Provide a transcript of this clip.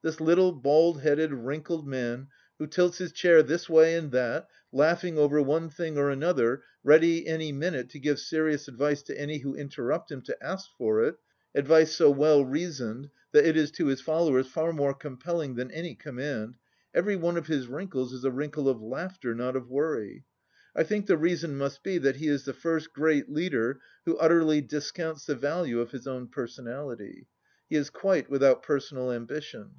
This little, bald headed, wrinkled man, who tilts his chair this way and that, laughing over one thing or another, ready any minute to give serious advice to any who interrupt him to ask for it, advice so w^ll reasoned that it is to his followers far more compelling than any command, every one of his wrinkles is a wrinkle of laughter, not of worry. I think the reason must be that he is the first great leader who utterly discounts the value of his own personality. He is quite without personal ambition.